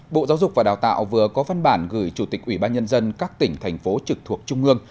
bộ giáo dục và đào tạo vừa có phân bản gửi chủ tịch ủy ban nhân dân các tỉnh thành phố trực thuộc trung ương